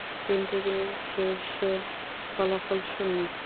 কিন্তু, দিনশেষে ফলাফল শূন্য।